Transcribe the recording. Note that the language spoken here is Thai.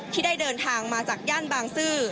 ที่ได้เดินทางมาจากย่านบางซื่อ